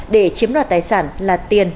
để chiếm đoạt tài sản là tiền